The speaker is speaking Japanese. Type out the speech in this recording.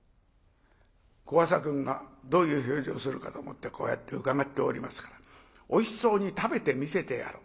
小朝君がどういう表情するかと思ってこうやってうかがっておりますからおいしそうに食べてみせてやる。